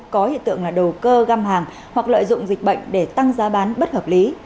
có hiện tượng là đầu cơ găm hàng hoặc lợi dụng dịch bệnh để tăng giá bán bất hợp lý